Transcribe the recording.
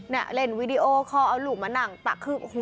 เนี่ยเล่นวีดีโอเคราะห์เอาลูกมานั่งตักคืออื้อหู